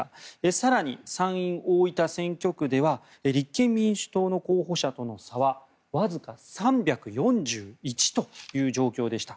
更に、参院大分選挙区では立憲民主党の候補者との差はわずか３４１という状況でした。